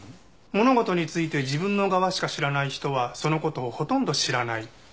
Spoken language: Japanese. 物事について自分の側しか知らない人はその事をほとんど知らない。